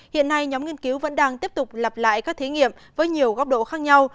hiện nay nhóm nghiên cứu vẫn đang tiếp tục lặp lại các thí nghiệm với nhiều góc độ khác nhau